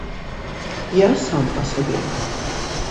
Я сам па сабе.